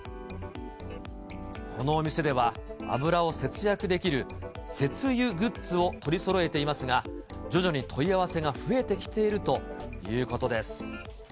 このお店では、油を節約できる節油グッズを取りそろえていますが、徐々に問い合わせが増えてきているということです。